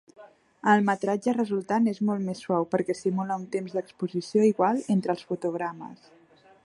El metratge resultant és molt més suau perquè simula un temps d'exposició igual entre els fotogrames.